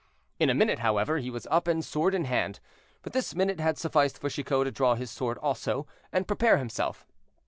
In a minute, however, he was up, and sword in hand; but this minute had sufficed for Chicot to draw his sword also, and prepare himself.